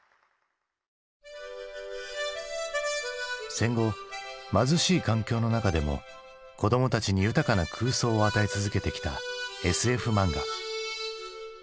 戦後貧しい環境の中でも子供たちに豊かな空想を与え続けてきたＳＦ漫画。